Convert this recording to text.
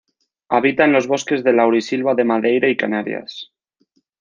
Habita en los bosques de laurisilva de Madeira y Canarias.